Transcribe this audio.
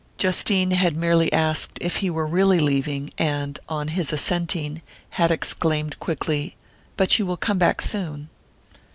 Justine had merely asked if he were really leaving and, on his assenting, had exclaimed quickly: "But you will come back soon?"